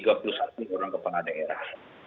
tiga puluh satu orang kepala daerah